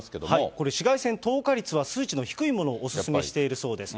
これ、紫外線透過率は数値の低いものをお勧めしているそうです。